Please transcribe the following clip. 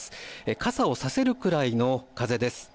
傘をさせるくらいの風です。